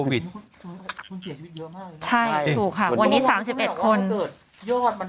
โควิทภูมิเสียชีวิตเยอะมากเลยใช่ถูกค่ะวันนี้สามสิบเอ็ดคน